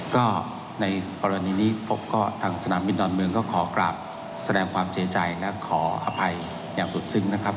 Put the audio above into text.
ก็ในกรณีนี้พบก็ทางสนามบินดอนเมืองก็ขอกราบแสดงความเสียใจและขออภัยอย่างสุดซึ้งนะครับ